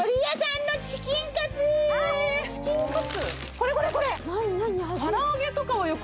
これこれこれ！